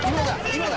今だ！